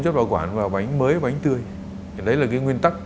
chất bảo quản và bánh mới bánh tươi đấy là cái nguyên tắc